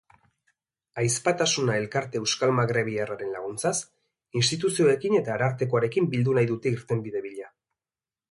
Ahizpatasuna elkarte euskalmagrebiarraren laguntzaz, instituzioekin eta arartekoarekin bildu nahi dute irtenbide bila.